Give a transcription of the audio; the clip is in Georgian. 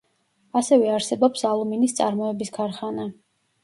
ასევე არსებობს ალუმინის წარმოების ქარხანა.